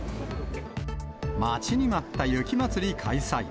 待ちに待った雪まつり開催。